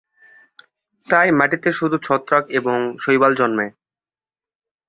তাই মাটিতে শুধু ছত্রাক এবং শৈবাল জন্মে।